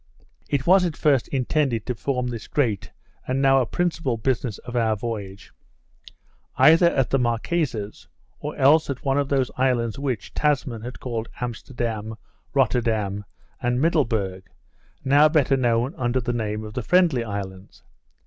It was at first intended to perform this great, and now a principal business of our voyage, either at the Marquesas, or else at one of those islands which Tasman had called Amsterdam, Rotterdam, and Middleburg, now better known under the name of the Friendly Islands.